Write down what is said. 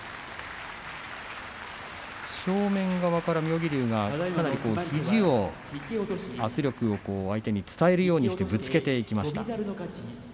正面側から妙義龍がかなり肘を圧力を相手に伝えるようにぶつけていきました。